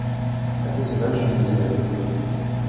Это задача не из легких.